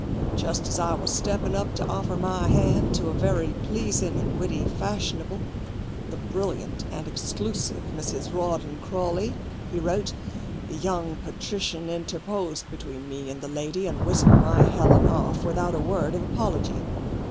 "Just as I was stepping up to offer my hand to a very pleasing and witty fashionable, the brilliant and exclusive Mrs. Rawdon Crawley," he wrote "the young patrician interposed between me and the lady and whisked my Helen off without a word of apology.